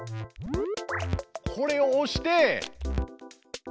これを押して。